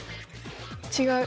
違う。